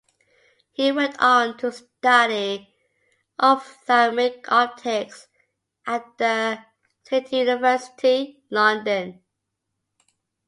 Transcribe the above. He went on to study Ophthalmic Optics at the City University, London.